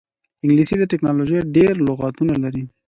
انګلیسي د ټیکنالوژۍ ډېری لغتونه لري